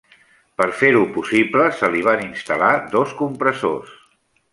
Per fer-ho possible se li van instal·lar dos compressors.